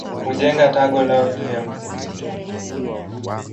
Hujenga tago lao juu ya mti msituni.